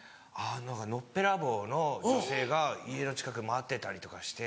何かのっぺらぼうの女性が家の近くで待ってたりとかして。